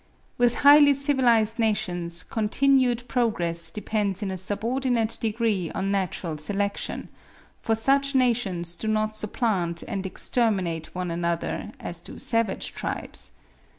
With highly civilised nations continued progress depends in a subordinate degree on natural selection; for such nations do not supplant and exterminate one another as do savage tribes.